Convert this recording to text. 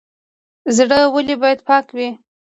زړه ولې باید پاک وي؟